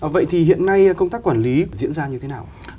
vậy thì hiện nay công tác quản lý diễn ra như thế nào